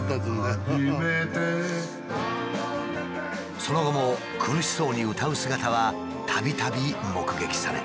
その後も苦しそうに歌う姿はたびたび目撃された。